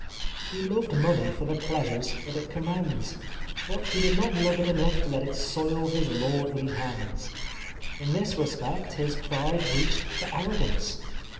He loved money for the pleasures that it commands ; but he did not love it enough to let it soil his lordly hands. In this respect his pride reached to arrogance.